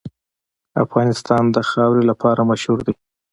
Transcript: افغانستان د خاوره لپاره مشهور دی.